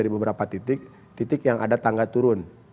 di beberapa titik titik yang ada tangga turun